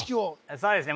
そうですね